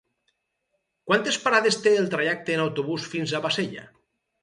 Quantes parades té el trajecte en autobús fins a Bassella?